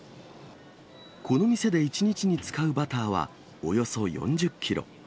この店で１日に使うバターは、およそ４０キロ。